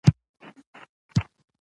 لکه د سر د کاسې د هډوکو تر منځ بند دی.